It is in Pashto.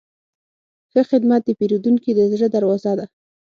ښه خدمت د پیرودونکي د زړه دروازه ده.